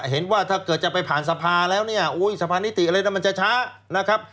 ถ้าเกิดจะไปผ่านสภาแล้วเนี่ยสภานิติอะไรนะมันจะช้านะครับ